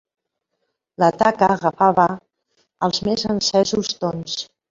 La taca agafava els més encesos tons